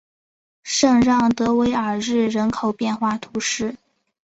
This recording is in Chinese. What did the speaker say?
圣让德韦尔日人口变化图示